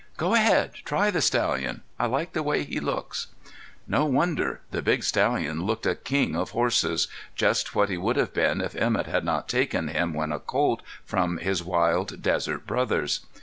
"Go ahead, try the stallion. I like the way he looks." No wonder! The big stallion looked a king of horses just what he would have been if Emett had not taken him, when a colt, from his wild desert brothers.